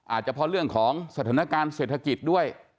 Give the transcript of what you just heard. อาจจะเพราะเรื่องของสถานการณ์เศรษฐกิจด้วย